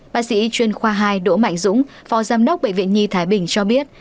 bác sĩ chuyên khoa hai đỗ mạnh dũng phó giám đốc bệnh viện nhi thái bình cho biết